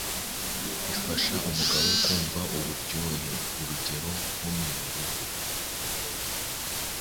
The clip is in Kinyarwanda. bifasha umugabo kumva uburyohe, urugero nko mwirugo,